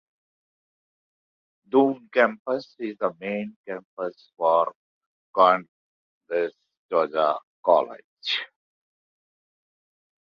Doon Campus is the main campus for Conestoga College.